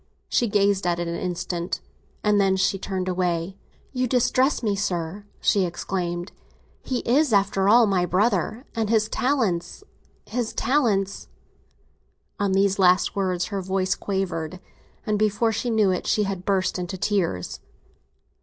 She gazed at it an instant, and then she turned away. "You distress me, sir!" she exclaimed. "He is, after all, my brother, and his talents, his talents—" On these last words her voice quavered, and before he knew it she had burst into tears.